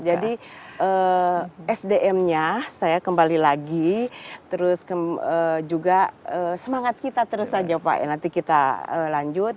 jadi sdm nya saya kembali lagi terus juga semangat kita terus saja pak ya nanti kita lanjut